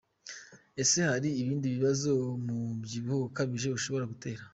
Ese hari ibindi bibazo umubyibuho ukabije ushobora gutera? .